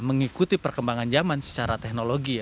mengikuti perkembangan zaman secara teknologi